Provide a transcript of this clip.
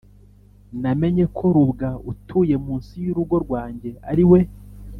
namenye ko rubwa utuye munsi y'urugo rwanjye ariwe